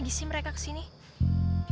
mereka cuma bercanda di dana kita